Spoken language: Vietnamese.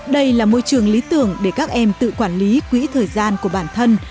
đây là môi trường lý tưởng để các em tự quản lý quỹ thời gian của bản thân